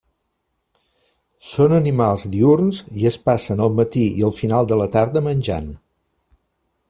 Són animals diürns i es passen el matí i el final de la tarda menjant.